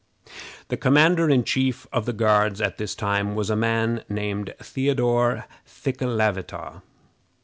The commander in chief of the Guards at this time was a man named Theodore Thekelavitaw.